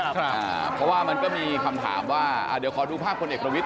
เพราะว่ามันก็มีคำถามว่าเดี๋ยวขอดูภาพคนเอกประวิทย